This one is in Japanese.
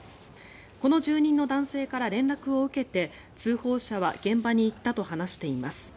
この住人の男性から連絡を受けて通報者は現場に行ったと話しています。